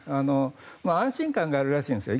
安心感があるらしいんですよ。